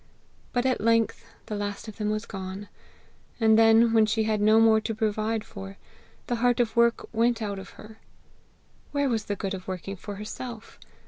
But at length the last of them was gone, and then when she had no more to provide for, the heart of work went out of her: where was the good of working for herself!